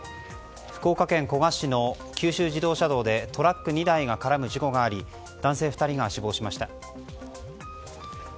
福岡県古賀市の九州自動車道でトラック２台が絡む事故があり男性２人が死亡しました。